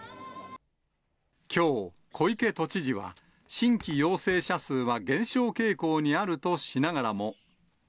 きょう、小池都知事は、新規陽性者数は減少傾向にあるとしながらも。